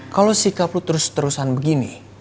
kalau sikap lu terus terusan begini